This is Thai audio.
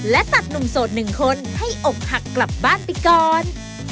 และตัดหนุ่มโสดหนึ่งคนให้อกหักกลับบ้านไปก่อน